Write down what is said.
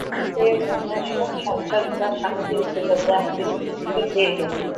এ ধরনের বহু সাজসজ্জার সামগ্রী ছিল, যার ফিরিস্তি ছিল দীর্ঘ।